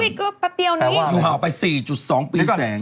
อุ๊ยก็ประเตียวนี้อยู่หาไป๔๒ปีแสง